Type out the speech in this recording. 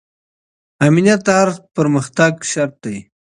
امنیت د هر پرمختګ شرط دی.